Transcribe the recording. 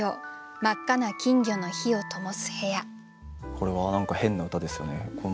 これは何か変な歌ですよね。